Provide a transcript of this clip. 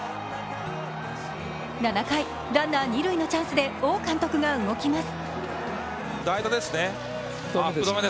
７回、ランナー二塁のチャンスで王監督が動きます。